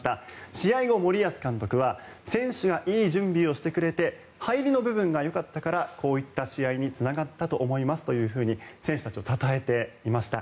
試合後、森保監督は選手がいい準備をしてくれて入りの部分がよかったからこういった試合につながったと思いますと選手たちをたたえていました。